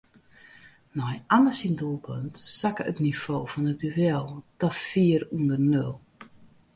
Nei Anne syn doelpunt sakke it nivo fan it duel ta fier ûnder nul.